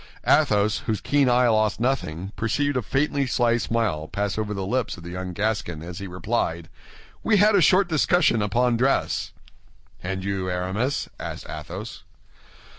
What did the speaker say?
Athos, whose keen eye lost nothing, perceived a faintly sly smile pass over the lips of the young Gascon as he replied, "We had a short discussion upon dress." "And you, Aramis?" asked Athos.